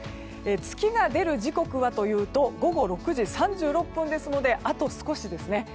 月が出る時刻はというと午後６時３６分ですのであと少しですね。